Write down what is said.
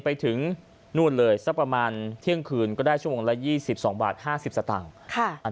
ไปถึงนู่นเลยสักประมาณเที่ยงคืนก็ได้ชั่วโมงละ๒๒บาท๕๐สตางค์